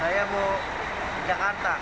saya mau ke jakarta